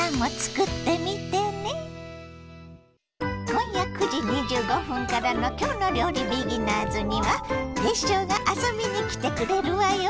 今夜９時２５分からの「きょうの料理ビギナーズ」にはテッショウがあそびに来てくれるわよ。